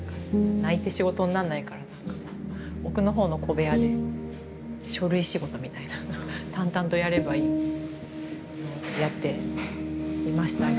泣いて仕事になんないから奥の方の小部屋で書類仕事みたいな淡々とやればいいのをやっていましたが。